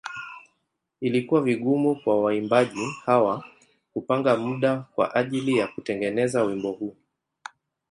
Ilikuwa vigumu kwa waimbaji hawa kupanga muda kwa ajili ya kutengeneza wimbo huu.